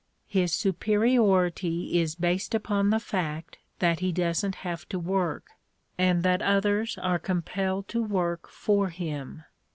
His superiority is based upon the fact that he doesn't have to work, and that others are compelled to work for him.